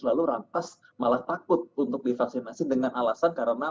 lalu rantas malah takut untuk divaksinasi dengan alasan karena